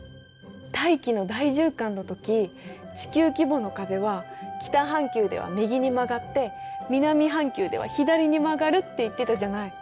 大気の大循環の時地球規模の風は北半球では右に曲がって南半球では左に曲がるって言ってたじゃない。